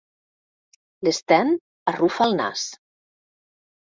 L'Sten arrufa el nas.